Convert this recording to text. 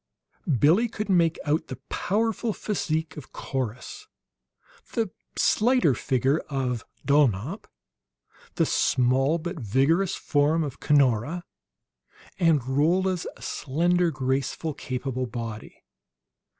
Billie could make out the powerful physique of Corrus, the slighter figure of Dulnop, the small but vigorous form of Cunora, and Rolla's slender, graceful, capable body.